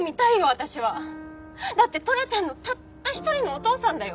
私は！だってトラちゃんのたった一人のお父さんだよ？